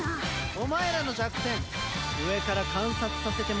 お前らの弱点上から観察させてもらったんでね。